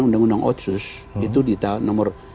undang undang otsus itu di tahun nomor